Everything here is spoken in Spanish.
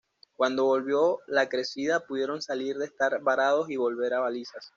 Cuando volvió la crecida pudieron salir de estar varados y volver a balizas.